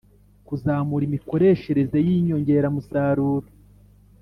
kuzamura imikoreshereze y'inyongera musaruro